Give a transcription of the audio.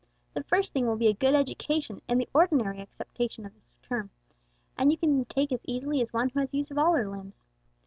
The first thing will be a good education in the ordinary acceptation of the term and that you can take as easily as one who has use of all her limbs.